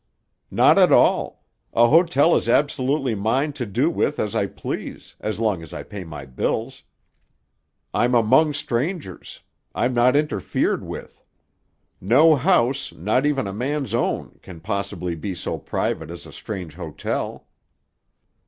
"Not at all. A hotel is absolutely mine to do with as I please, as long as I pay my bills. I'm among strangers; I'm not interfered with. No house, not even a man's own, can possibly be so private as a strange hotel."